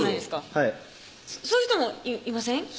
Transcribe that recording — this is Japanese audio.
はいそういう人もいません？